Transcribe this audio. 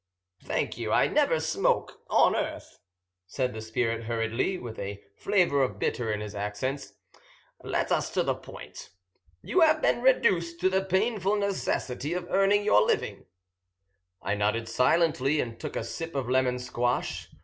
"Thank you, I never smoke on earth," said the spirit hurriedly, with a flavour of bitter in his accents. "Let us to the point. You have been reduced to the painful necessity of earning your living." I nodded silently, and took a sip of lemon squash.